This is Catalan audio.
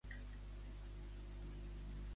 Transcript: I què advocarà Més Compromís al Congrés?